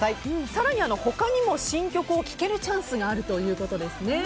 更に他にも新曲を聴けるチャンスがあるということですね。